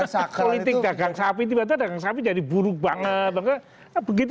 politik dagang sapi tiba tiba dagang sapi jadi buruk banget begitu